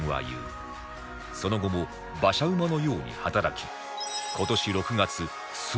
その後も馬車馬のように働き